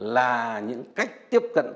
là những cách tiếp cận